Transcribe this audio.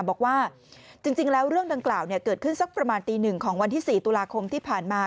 บอกว่าจริงแล้วเรื่องดังกล่าวเกิดขึ้นสักประมาณตี๑ของวันที่๔ตุลาคมที่ผ่านมา